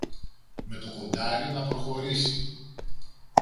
με το κοντάρι να προχωρήσει.